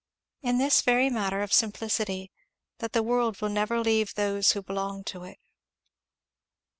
In this very matter of simplicity, that the world will never leave those who belong to it.